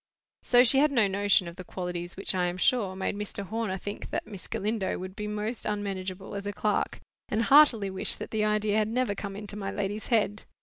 So she had no notion of the qualities which, I am sure, made Mr. Horner think that Miss Galindo would be most unmanageable as a clerk, and heartily wish that the idea had never come into my lady's head.